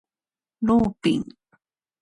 ローピン